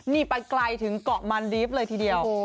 นี่ไปไกลถึงเกาะมันดีฟเลยทีเดียว